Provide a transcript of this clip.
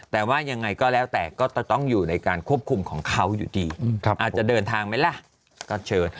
แต่ว่ายังไงก็แล้วแต่ก็จะต้องอยู่ในการควบคุมของเขาอยู่ดีอาจจะเดินทางไหมล่ะก็เชิญ